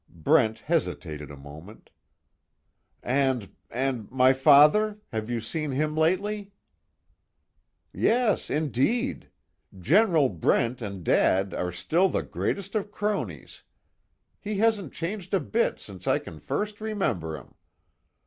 Brent hesitated a moment: "And and my father have you seen him lately?" "Yes, indeed! General Brent and Dad are still the greatest of cronies. He hasn't changed a bit since I can first remember him.